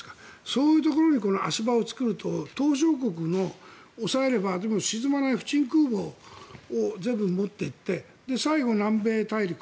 そういうところに足場を作ると島しょ国を押さえればでも、沈まない不沈空母を全部、持って行って最後、南米大陸。